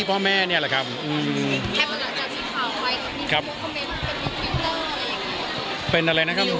คือไหนอ่ะคือกับพลอย